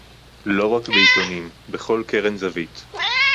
לֹא רַק בָּעִתּוֹנִים – בְּכָל קֶרֶן זָוִית